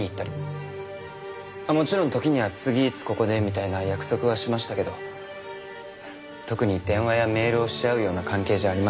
もちろん時には次いつここでみたいな約束はしましたけど特に電話やメールをし合うような関係じゃありません。